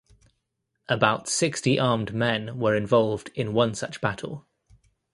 About sixty armed men were involved in one such battle.